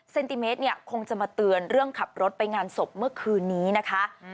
เซนติเมตรเนี่ยคงจะมาเตือนเรื่องขับรถไปงานศพเมื่อคืนนี้นะคะ